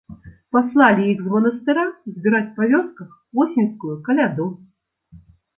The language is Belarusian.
Паслалі іх з манастыра збіраць па вёсках восеньскую каляду.